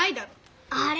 あれ？